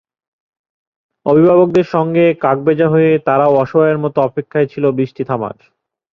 অভিভাবকদের সঙ্গে কাকভেজা হয়ে তারাও অসহায়ের মতো অপেক্ষায় ছিল বৃষ্টি থামার।